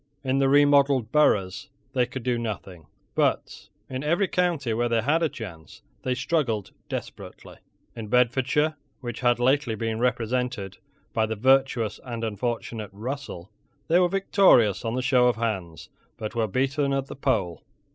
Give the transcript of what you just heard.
In the remodelled boroughs they could do nothing: but, in every county where they had a chance, they struggled desperately. In Bedfordshire, which had lately been represented by the virtuous and unfortunate Russell, they were victorious on the show of hands, but were beaten at the poll.